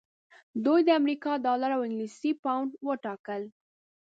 دوی د امریکا ډالر او انګلیسي پونډ وټاکل.